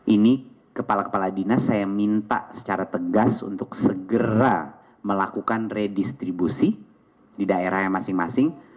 ini kepala kepala dinas saya minta secara tegas untuk segera melakukan redistribusi di daerah yang masing masing